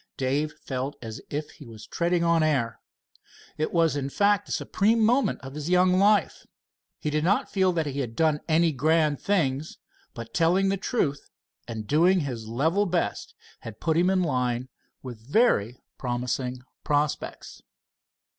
Dave felt as if he was treading on air. It was in fact the supreme moment of his young life. He did not feel that he had done any grand things, but telling the truth and doing his level best had put him in line with very promising prospects.